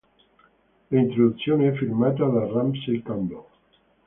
L'introduzione è firmata da Ramsey Campbell.